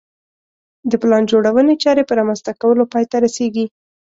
د پلان جوړونې چارې په رامنځته کولو پای ته رسېږي.